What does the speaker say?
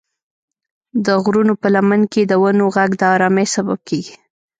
د غرونو په لمن کې د ونو غږ د ارامۍ سبب کېږي.